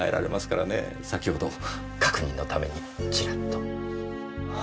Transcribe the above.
先ほど確認のためにチラッと。